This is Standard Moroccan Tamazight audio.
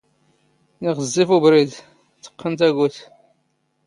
ⵉⵖⵣⵣⵉⴼ ⵓⴱⵔⵉⴷ, ⵜⵇⵇⵏ ⵜⴰⴳⵓⵜ.